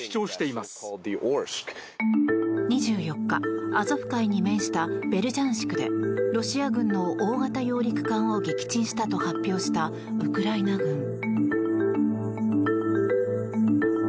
２４日、アゾフ海に面したベルジャンシクでロシア軍の大型揚陸艦を撃沈したと発表したウクライナ軍。